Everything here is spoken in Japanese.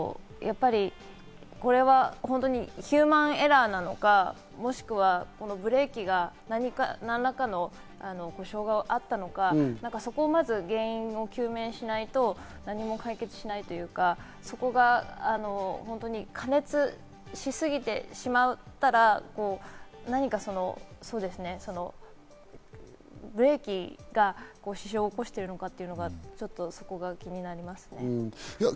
これは本当にヒューマンエラーなのか、もしくはブレーキに何らかの障害があったのか、そこをまず原因を究明しないと、何も解決しないというか、加熱しすぎてしまったら、ブレーキが支障を起こしているのかっていうのが、そこがちょっと気になりますね。